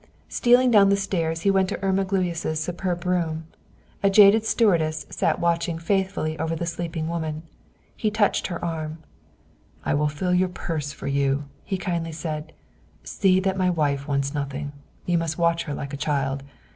Stealing down the stairs, he went into Irma Gluyas' superb room. A jaded stewardess sat watching faithfully over the sleeping woman. He touched her arm. "I will fill your purse for you," he kindly said. "See that my wife wants nothing. You must watch her like a child.